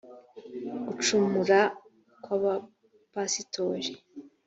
gucumura kw’abapasitori